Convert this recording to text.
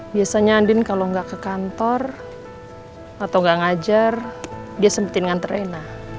biasanya andin kalo gak ke kantor atau gak ngajar dia sempetin dengan terena